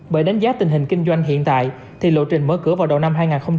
bởi đánh giá tình hình kinh doanh hiện tại thì lộ trình mở cửa vào đầu năm hai nghìn hai mươi